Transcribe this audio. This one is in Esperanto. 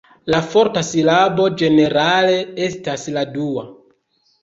La forta silabo, ĝenerale estas la dua.